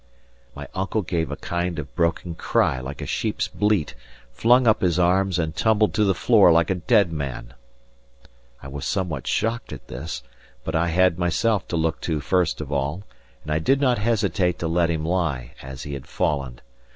My uncle gave a kind of broken cry like a sheep's bleat, flung up his arms, and tumbled to the floor like a dead man. I was somewhat shocked at this; but I had myself to look to first of all, and did not hesitate to let him lie as he had fallen.